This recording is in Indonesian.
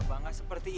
abang nggak seperti itu